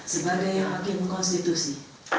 sebagai hakim konstitusi